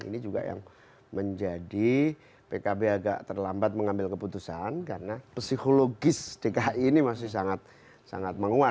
ini juga yang menjadi pkb agak terlambat mengambil keputusan karena psikologis dki ini masih sangat menguat